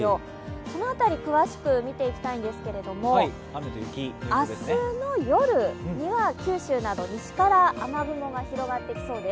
その辺り、詳しく見ていきたいんですけれど、明日の夜には九州など西から雨雲が広がってきそうです。